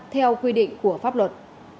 theo quy định của pháp luật